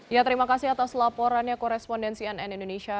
ya terima kasih atas laporannya korespondensi nn indonesia